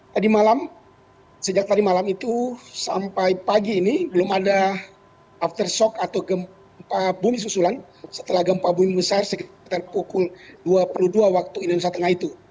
tadi malam sejak tadi malam itu sampai pagi ini belum ada aftershock atau gempa bumi susulan setelah gempa bumi besar sekitar pukul dua puluh dua waktu indonesia tengah itu